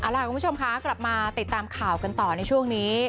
คุณผู้ชมคะกลับมาติดตามข่าวกันต่อในช่วงนี้